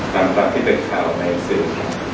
ตามที่เป็นข่าวในอีกซื้อ